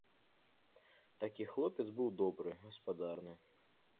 Такі хлопец быў добры, гаспадарны.